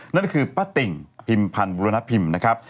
นั่นก็คือป้าติ่งพิมพันธ์บุรณพิมพ์นะครับ